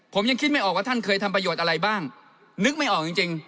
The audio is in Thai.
ผมยังคิดไม่ออกว่าท่านเคยทำประโยชน์อะไรบ้างนึกไม่ออกจริงจริง